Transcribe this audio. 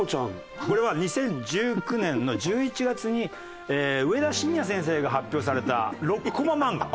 これは２０１９年の１１月に上田晋也先生が発表された６コマ漫画。